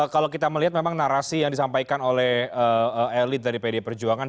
kalau kita melihat memang narasi yang disampaikan oleh elit dari pd perjuangan